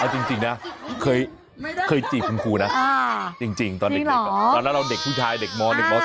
เอาจริงนะเคยจีบคุณครูนะจริงตอนเด็กเด็กผู้ชายเด็กม๒